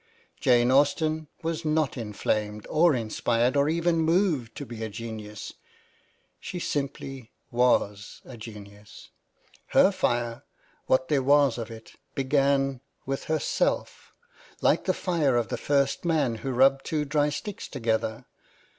Jane Austen was not inflamed or inspired or even moved to be a genius ; she simply was a genius. Her fire, what there was of it, began with herself; like the fire of the first man who rubbed two dry sticks together.